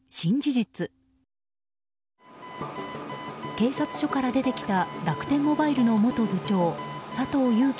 警察署から出てきた楽天モバイルの元部長佐藤友紀